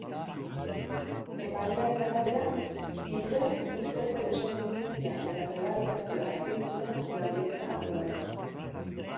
Epailearen arabera, hirurek ustezko desobedientzia eta prebarikazioa egin zuten galdeketa antolatuta.